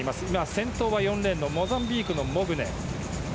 先頭は４レーンのモザンビークのモグネ。